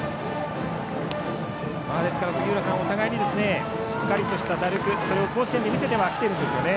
ですから杉浦さんお互い、しっかりした打力それを甲子園で見せてはきてるんですよね。